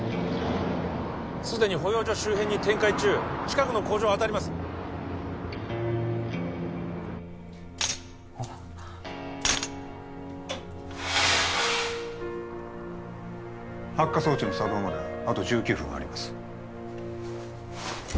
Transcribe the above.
すでに保養所周辺に展開中近くの工場を当たります発火装置の作動まであと１９分あります